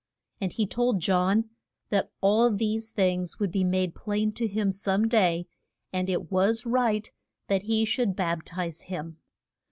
And he told John, that all these things would be made plain to him some day, and it was right that he should bap tize him.